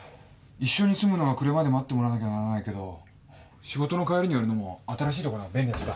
一緒に住むのは暮れまで待ってもらわなきゃならないけど仕事の帰りに寄るのも新しい所のほうが便利だしさ。